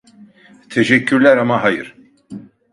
Teşekkürler ama hayır.